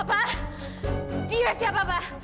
papa dia siapa papa